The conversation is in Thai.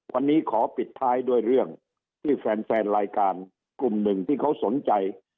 วันนี้ขอปิดท้ายด้วยเรื่องที่แฟนแฟนรายการกลุ่มหนึ่งที่เขาสนใจ